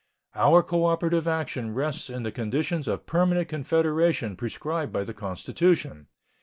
Our cooperative action rests in the conditions of permanent confederation prescribed by the Constitution.